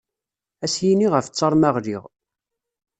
Ad as-yini ɣef ttaṛ ma ɣliɣ.